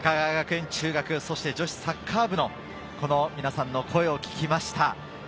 高川学園中学、そして女子サッカー部の皆さんの声を聞きました。